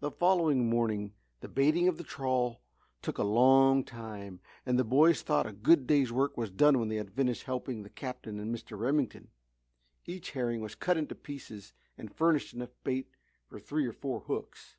The following morning the baiting of the trawl took a long time and the boys thought a good day's work was done when they had finished helping the Captain and Mr. Remington. Each herring was cut into pieces and furnished enough bait for three or four hooks.